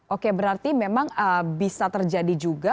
oke berarti memang bisa terjadi juga